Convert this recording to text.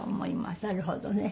なるほどね。